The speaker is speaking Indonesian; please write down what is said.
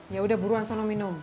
yaudah buruan sana minum